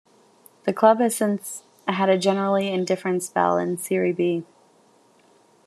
The club has since had a generally indifferent spell in Serie B.